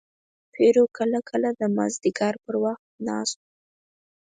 پیرو کله کله د مازدیګر پر وخت ناست و.